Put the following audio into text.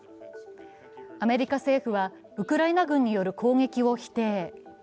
アメリカ政府は、ウクライナ軍による攻撃を否定。